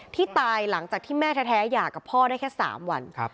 ที่ตายหลังจากที่แม่แท้หย่ากับพ่อได้แค่๓วัน